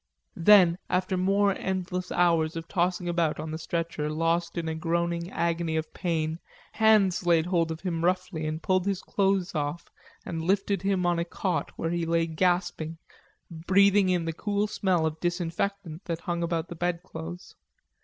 Then after more endless hours of tossing about on the stretcher, lost in a groaning agony of pain, hands laid hold of him roughly and pulled his clothes off and lifted him on a cot where he lay gasping, breathing in the cool smell of disinfectant that hung about the bedclothes.